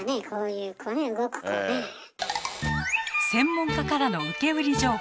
専門家からの受け売り情報。